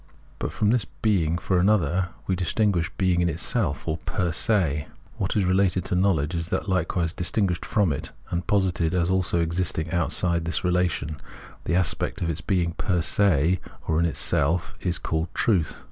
But from this being for another we distinguish being in itself or fer se ; what is related to knowledge is likewise distinguished from it, and posited as also existing outside this relation ; the aspect of being per se or in itself is called Truth.